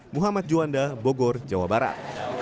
muhammad juanda bogor jawa barat